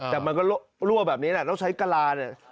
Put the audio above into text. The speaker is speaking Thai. แต่มันก็รั่วแบบนี้นะเราใช้กระลาฬ